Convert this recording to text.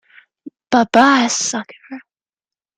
Bye-bye, sucker!